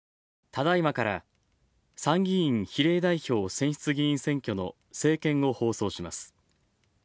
ただいまから参議院比例代表選出議員選挙の政見を放送します。